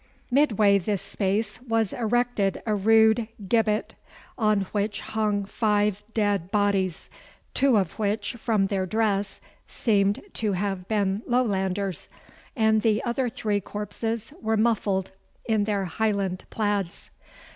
Midway this space was erected a rude gibbet, on which hung five dead bodies, two of which from their dress seemed to have been Lowlanders, and the other three corpses were muffled in their Highland plaids.